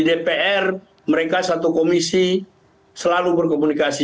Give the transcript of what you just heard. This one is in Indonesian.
dpr mereka satu komisi selalu berkomunikasi